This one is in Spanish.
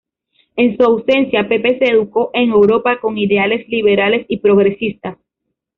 En su ausencia, Pepe se educó en Europa con ideas liberales y progresistas.